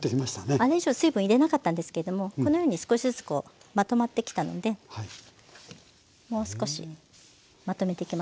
あれ以上水分入れなかったんですけどもこのように少しずつまとまってきたのでもう少しまとめていきますね。